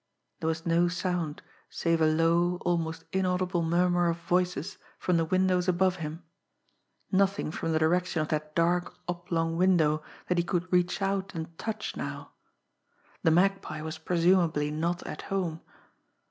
There was no sound, save a low, almost inaudible murmur of voices from the windows above him nothing from the direction of that dark, oblong window that he could reach out and touch now. The Magpie was presumably not at home!